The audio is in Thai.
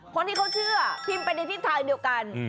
คนที่เขาเชื่อพิมพ์ไปในทิศทางเดียวกัน